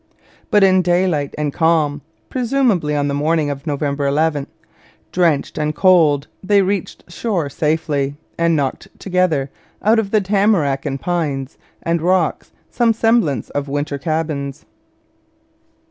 But in daylight and calm, presumably on the morning of November 11, drenched and cold, they reached shore safely, and knocked together, out of the tamarac and pines and rocks, some semblance of winter cabins.